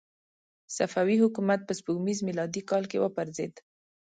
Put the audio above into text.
صفوي حکومت په سپوږمیز میلادي کال کې را وپرځېد.